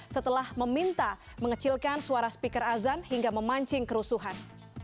setelah meminta mengecilkan suara speaker azan hingga memancing kerusuhan